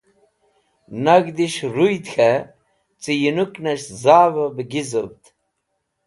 Nag̃hdis̃h rũyd k̃hẽ cẽ yinũknes̃h zavẽ bẽ gizũvd.